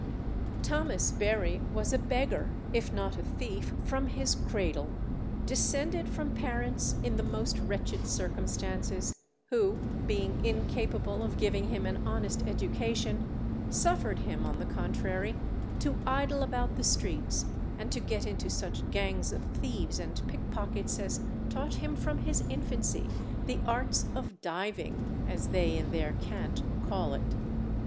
Thomas Berry was a beggar, if not a thief, from his cradle, descended from parents in the most wretched circumstances, who being incapable of giving him an honest education suffered him on the contrary to idle about the streets, and to get into such gangs of thieves and pickpockets as taught him from his infancy the arts of diving (as they in their cant call it).